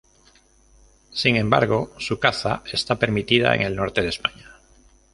Sin embargo, su caza está permitida en el norte de España.